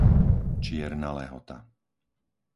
Čierna Lehota